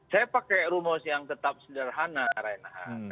saya pakai rumus yang tetap sederhana reinhardt